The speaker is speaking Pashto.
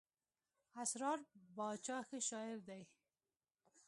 اسرار باچا ښه شاعر دئ.